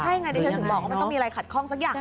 ใช่ไงดิฉันถึงบอกว่ามันต้องมีอะไรขัดข้องสักอย่าง